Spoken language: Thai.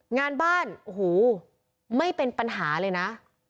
งานบ้านไม่เป็นปัญหาเลยนะ